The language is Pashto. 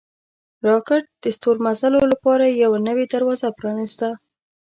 راکټ د ستورمزلو لپاره یوه نوې دروازه پرانیسته